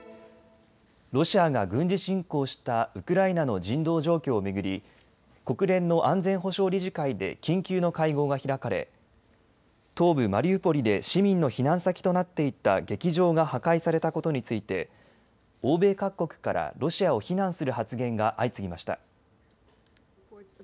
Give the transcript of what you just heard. ロシアが軍事侵攻したウクライナの人道状況を巡り国連の安全保障理事会で緊急の会合が開かれ東部マリウポリで市民の避難先となっていた劇場が破壊されたことについて欧米各国からロシアを非難する発言が相次ぎました。